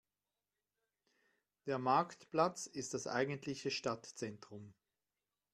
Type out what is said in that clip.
Der Marktplatz ist das eigentliche Stadtzentrum.